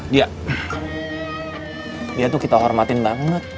dia ya tuh kita hormatin banget